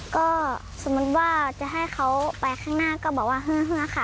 ก็สมมุติว่าจะให้เขาไปข้างหน้าก็บอกว่าเฮือค่ะ